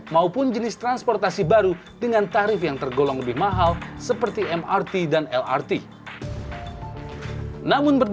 baik dari yang tarifnya tergolong murah seperti krl dan transkart